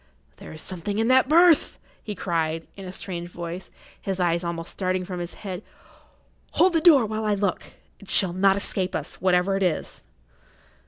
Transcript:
"There is something in that berth!" he cried, in a strange voice, his eyes almost starting from his head. "Hold the door, while I look—it shall not escape us, whatever it is!"